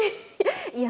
いや